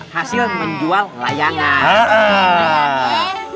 hasil menjual layangan